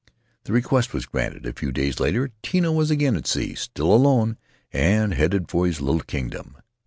The request was granted; a few days later Tino was again at sea, still alone, and headed for his little kingdom.